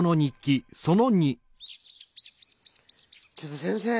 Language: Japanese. ちょっと先生。